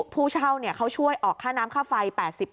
ผู้เช่าเขาช่วยออกค่าน้ำค่าไฟ๘๐